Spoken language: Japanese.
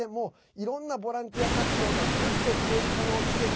いろんなボランティア活動がグッと増えるこの季節。